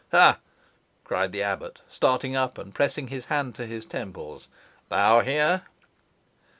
"Ha!" cried the abbot, starting up and pressing his hand to his temples; "thou here?"